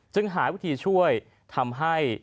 หาวิธีช่วยทำให้